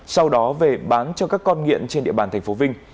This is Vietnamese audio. sau đó về bán cho các con nghiện trên địa bàn tp vinh